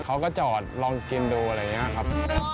เขาก็จอดลองกินดูอะไรอย่างนี้ครับ